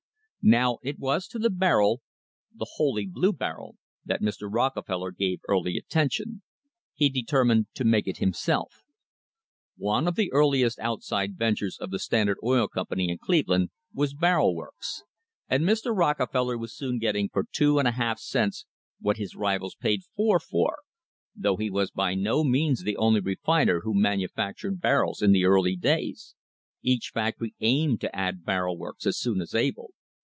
Now it was to the barrel the "holy blue barrel" that Mr. Rockefeller gave early attention. He determined to make it himself. One of the earli est outside ventures of the Standard Oil Company in Cleve land was barrel works, and Mr. Rockefeller was soon getting for two and a half cents what his rivals paid four for, though he was by no means the only refiner who manufactured barrels in the early days each factory aimed to add barrel works as soon as able.